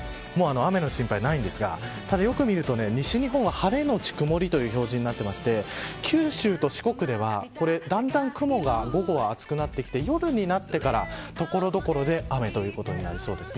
雨の心配ないんですがただよく見ると西日本は晴れのち曇りという表示になってまして九州と四国ではだんだん雲が午後は厚くなってきて夜になってから所々で雨ということになりそうです。